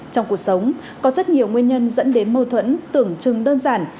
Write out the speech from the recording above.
trong cuộc sống có rất nhiều nguyên nhân dẫn đến mâu thuẫn tưởng chừng đơn giản